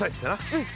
うん。